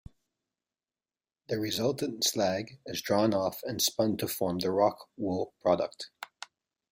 The resultant slag is drawn off and spun to form the rock wool product.